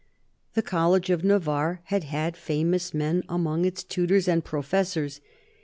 The College of Navarre had had famous men among its tutors and professors.